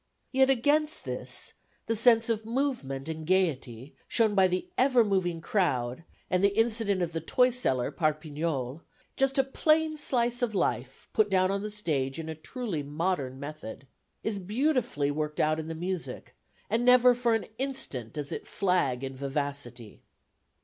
Yet against this, the sense of movement and gaiety, shown by the ever moving crowd, and the incident of the toy seller Parpignol just a plain slice of life put down on the stage in a truly modern method is beautifully worked out in the music, and never for an instant does it flag in vivacity.